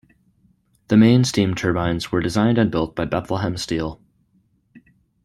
The main steam turbines were designed and built by Bethlehem Steel.